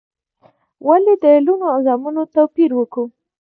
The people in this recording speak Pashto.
ولي د لوڼو او زامنو توپیر وکو؟